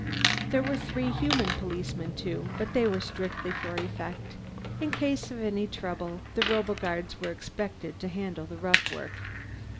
There were three human policemen too, but they were strictly for effect; in case of any trouble, the roboguards were expected to handle the rough work.